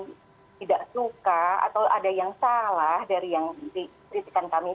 tidak suka atau ada yang salah dari yang kritikan kami